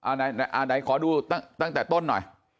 ไหนขอดูตั้งแต่ต้นหน่อย